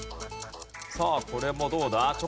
さあこれもどうだ？